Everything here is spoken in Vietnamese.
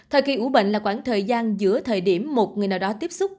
thời kỳ ủ bệnh là khoảng thời gian giữa thời điểm một người nào đó tiếp xúc